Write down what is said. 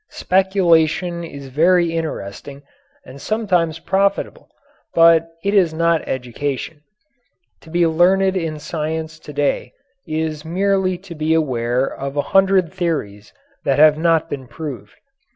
Speculation is very interesting, and sometimes profitable, but it is not education. To be learned in science to day is merely to be aware of a hundred theories that have not been proved.